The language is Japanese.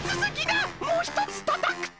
もうひとつたたくと。